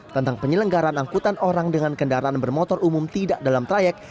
tentang penyelenggaran angkutan orang dengan kendaraan bermotor umum tidak dalam trayek